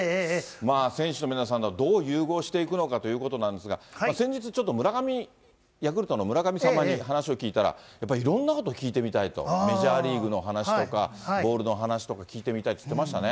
選手の皆さんとどう融合していくのかということなんですが、先日、ちょっと村上、ヤクルトの村神様に話を聞いたら、やっぱりいろんなこと聞いてみたいと、メジャーリーグの話とか、ボールの話とか聞いてみたいって言ってましたね。